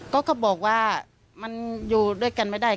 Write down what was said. ก็บอกว่ามันอยู่ด้วยกันไม่ได้